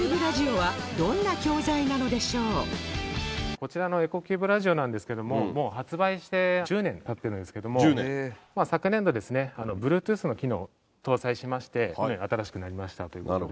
こちらのエコキューブラジオなんですけども発売して１０年経ってるんですけども昨年度ですねＢｌｕｅｔｏｏｔｈの機能搭載しまして新しくなりましたという事で。